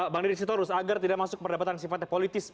bang deddy sitorus agar tidak masuk perdebatan sifatnya politis